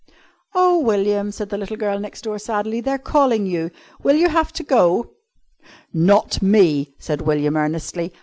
] "Oh, William," said the little girl next door sadly, "they're calling you. Will you have to go?" "Not me," said William earnestly.